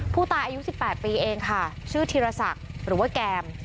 ผู้ตายอายุ๑๘ปีเองค่ะชื่อธีรศักดิ์หรือว่าแกม